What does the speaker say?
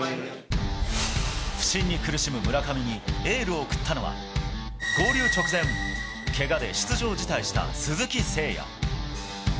不振に苦しむ村上にエールを送ったのは、合流直前、けがで出場辞退した鈴木誠也。